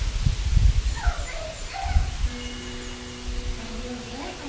大丈夫だよかよ